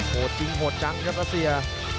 โหดจริงโหดจังครับรัสเซีย